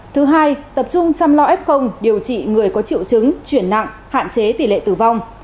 thứ hai tập trung chăm lo f điều trị người có triệu chứng chuyển nặng hạn chế tỷ lệ tử vong